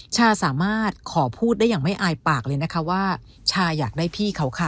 ชาสามารถขอพูดได้อย่างไม่อายปากเลยนะคะว่าชาอยากได้พี่เขาค่ะ